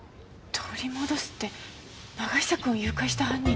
取り戻すって永久くんを誘拐した犯人って。